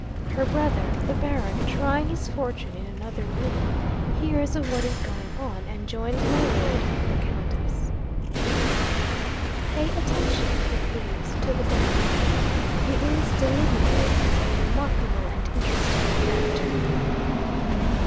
Her brother, the Baron, trying his fortune in another room, hears of what is going on, and joins my Lord and the Countess. 'Pay attention, if you please, to the Baron. He is delineated as a remarkable and interesting character.